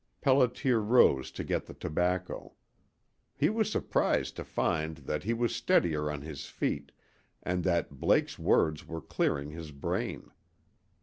Pelliter rose to get the tobacco. He was surprised to find that he was steadier on his feet and that Blake's words were clearing his brain.